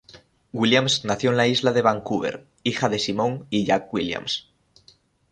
Williams nació en Isla de Vancouver, hija de Simone y Jack Williams.